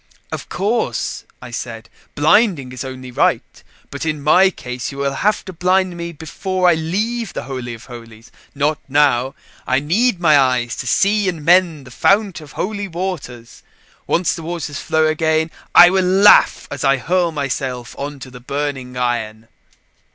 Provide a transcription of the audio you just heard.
"Of course," I said, "blinding is only right. But in my case you will have to blind me before I leave the Holy of Holies, not now. I need my eyes to see and mend the Fount of Holy Waters. Once the waters flow again, I will laugh as I hurl myself on the burning iron."